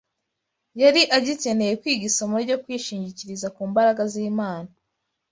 Yari agikeneye kwiga isomo ryo kwishingikiriza ku mbaraga z’Imana